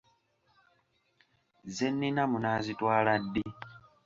Ze nnina munaazitwala ddi?